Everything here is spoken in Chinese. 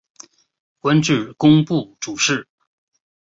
官至工部主事。